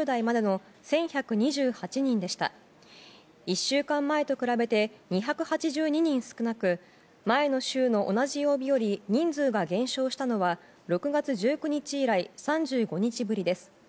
１週間前と比べて２８２人少なく前の週の同じ曜日より人数が減少したのは６月１９日以来３５日ぶりです。